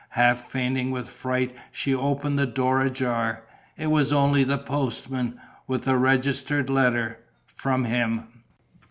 Half fainting with fright, she opened the door ajar. It was only the postman, with a registered letter ... from him!